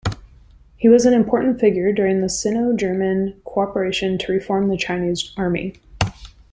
He was an important figure during the Sino-German cooperation to reform the Chinese Army.